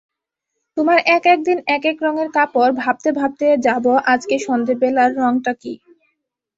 তোমার এক-একদিন এক-এক রঙের কাপড়, ভাবতে ভাবতে যাব আজকে সন্ধেবেলার রঙটা কী।